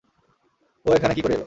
ও এখানে কি করে এলো!